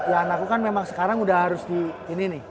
ya anakku kan memang sekarang udah harus di ini nih